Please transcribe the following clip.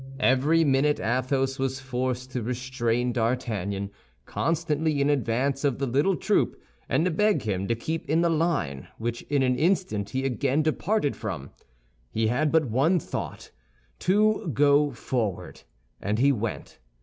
Every minute Athos was forced to restrain D'Artagnan, constantly in advance of the little troop, and to beg him to keep in the line, which in an instant he again departed from. He had but one thought—to go forward; and he went.